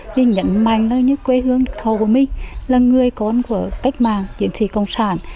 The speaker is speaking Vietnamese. vì nhận mạnh là những quê hương thầu của mình là người con của cách mạng diễn sĩ công sản